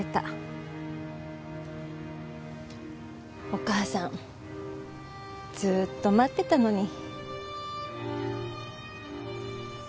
お母さんずっと待ってたのに。